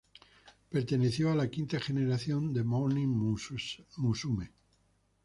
Perteneció a la quinta generación de Morning Musume.